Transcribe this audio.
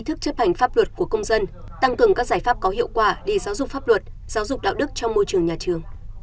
thức chấp hành pháp luật của công dân tăng cường các giải pháp có hiệu quả để giáo dục pháp luật giáo dục đạo đức trong môi trường nhà trường